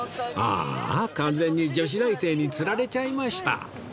ああ完全に女子大生につられちゃいました